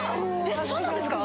そうなんですか！？